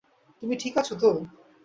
তুমি ঠিক আছ তো?